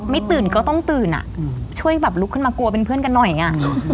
ตื่นก็ต้องตื่นอ่ะช่วยแบบลุกขึ้นมากลัวเป็นเพื่อนกันหน่อยอ่ะ